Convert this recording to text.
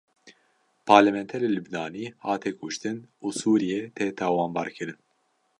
Perlemanterê Libnanî hate kuştin û Sûriyê tê tawanbar kirin